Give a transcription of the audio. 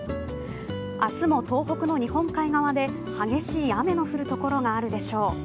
明日も東北の日本海側で激しい雨の降るところがあるでしょう。